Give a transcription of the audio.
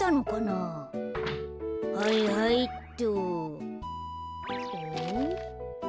はいはいっと。